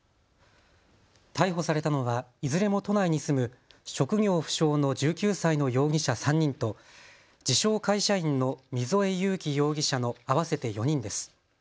逮捕されたのはいずれも都内に住む職業不詳の１９歳の容疑者３人と自称、会社員の溝江悠樹容疑者の合わせて４人です。